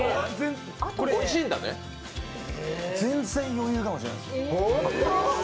全然余裕かもしれないです。